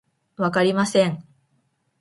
わかりません